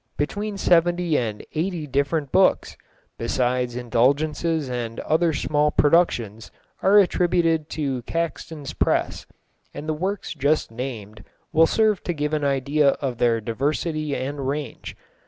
Between seventy and eighty different books, besides indulgences and other small productions, are attributed to Caxton's press, and the works just named will serve to give an idea of their diversity and range.